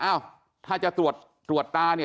อ้าวถ้าจะตรวจตรวจตาเนี่ย